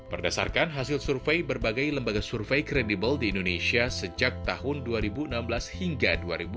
berdasarkan hasil survei berbagai lembaga survei kredibel di indonesia sejak tahun dua ribu enam belas hingga dua ribu dua puluh